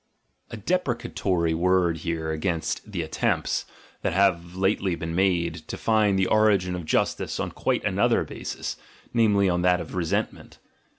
A deprecatory word here against the attempts, that have lately been made, to find the origin of justice on quite another basis — namely, on that of resentment.